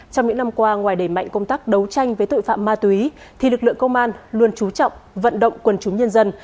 trong những năm qua ngoài đẩy mạnh công tác đấu tranh với tội phạm ma túy thì lực lượng công an luôn trú trọng vận động quần chúng nhân dân